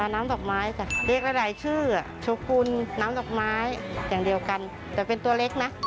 น้ำปลาน้ำตาล